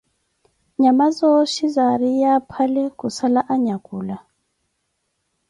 Nyama zooxhi zaariye aphale khusala anyakula.